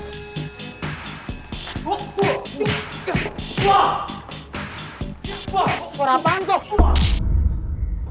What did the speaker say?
suara apaan kok